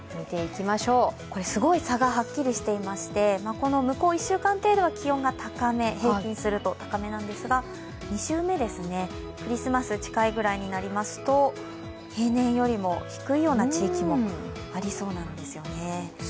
これ、すごい差がはっきりしていまして、向こう１週間程度は平均すると高めなんですが２週目、クリスマス近いぐらいになりますと平年よりも低いような地域もありそうなんですよね。